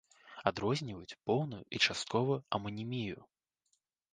Адрозніваюць поўную і частковую аманімію.